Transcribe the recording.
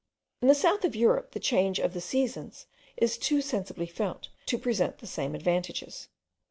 In the south of Europe the change of the seasons is too sensibly felt to present the same advantages.